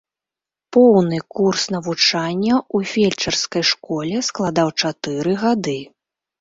Поўны курс навучання ў фельчарскай школе складаў чатыры гады.